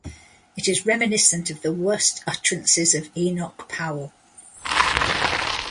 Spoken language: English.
It is reminiscent of the worse utterances of Enoch Powell.